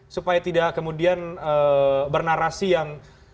supaya tidak kemudian bernarasi yang